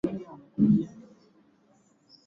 felix kureje msemaji wa jeshi nchini uganda